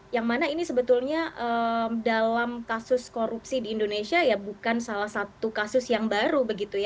yang mana ini sebetulnya dalam kasus korupsi di indonesia ya bukan salah satu kasus yang baru